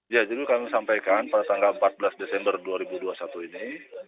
ya jadi kami sampaikan pada tanggal empat belas desember dua ribu dua puluh satu ini